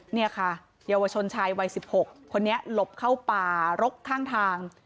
นี่ค่ะเยาวชนชายวัย๑๖คนนี้หลบเข้าป่ารกข้างทาง